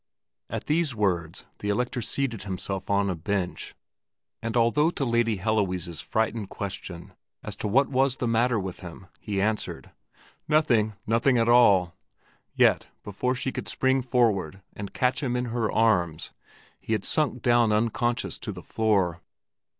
At these words the Elector seated himself on a bench, and although to Lady Heloise's frightened question as to what was the matter with him, he answered, "Nothing, nothing at all!" yet, before she could spring forward and catch him in her arms, he had sunk down unconscious to the floor.